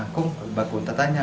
kok bakul tanya